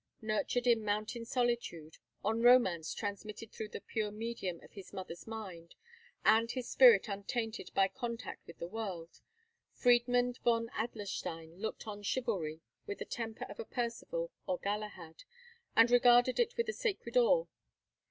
Nurtured in mountain solitude, on romance transmitted through the pure medium of his mother's mind, and his spirit untainted by contact with the world, Friedmund von Adlerstein looked on chivalry with the temper of a Percival or Galahad, and regarded it with a sacred awe.